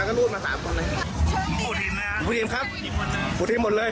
แล้วก็รูดมาสามคนเลยผู้ถิ่นนะครับผู้ถิ่นครับผู้ถิ่นหมดแล้ว